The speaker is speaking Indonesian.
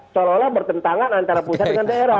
seolah olah bertentangan antara pusat dengan daerah